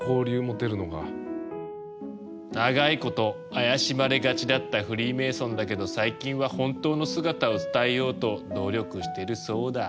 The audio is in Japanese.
長いこと怪しまれがちだったフリーメイソンだけど最近は本当の姿を伝えようと努力してるそうだ。